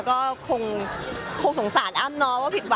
ก็คือพี่ที่อยู่เชียงใหม่พี่ออธค่ะ